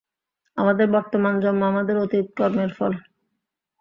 আমাদের বর্তমান জন্ম আমাদের অতীত কর্মের ফল।